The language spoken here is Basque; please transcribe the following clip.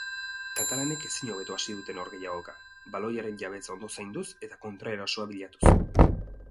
Katalanek ezin hobeto hasi dute norgehiagoka baloiaren jabetza ondo zainduz eta kontraerasoa bilatuz.